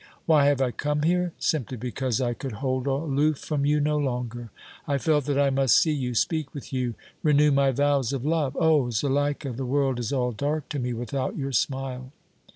Why have I come here? Simply because I could hold aloof from you no longer. I felt that I must see you, speak with you, renew my vows of love. Oh! Zuleika, the world is all dark to me without your smile!"